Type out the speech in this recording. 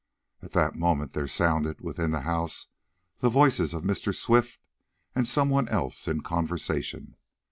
At that moment there sounded, within the house, the voices of Mr. Swift, and some one else in conversation.